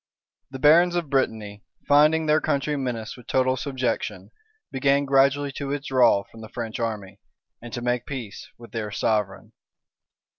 The barons of Brittany, finding their country menaced with total subjection, began gradually to withdraw from the French army, and to make peace with their sovereign.